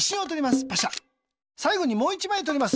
さいごにもう１まいとります。